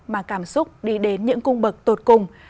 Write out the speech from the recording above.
mà cảm xúc đi đến những cung bậc tột cùng